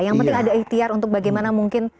yang penting ada ikhtiar untuk bagaimana mungkin